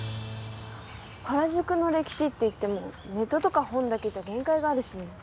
原宿の歴史っていってもネットとか本だけじゃ限界があるしね。